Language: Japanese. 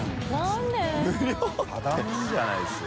ただ者じゃないですよ。